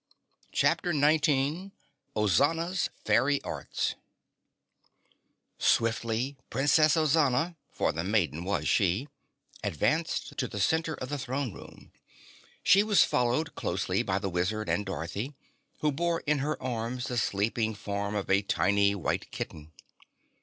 CHAPTER 19 Ozana's Fairy Arts Swiftly Princess Ozana for the maiden was she advanced to the center of the throne room. She was followed closely by the Wizard and Dorothy, who bore in her arms the sleeping form of a tiny, white kitten.